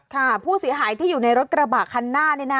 ผู้เสียหายที่อยู่ในรถกระบะคันหน้านี่นะ